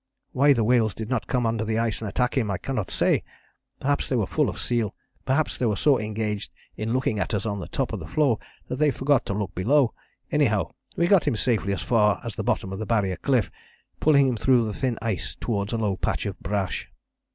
Why the whales did not come under the ice and attack him I cannot say perhaps they were full of seal, perhaps they were so engaged in looking at us on the top of the floe that they forgot to look below; anyhow, we got him safely as far as [the bottom of the Barrier cliff], pulling him through the thin ice towards a low patch of brash.